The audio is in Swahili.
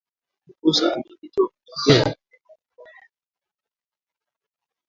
Kukosa uthabiti wa kutembea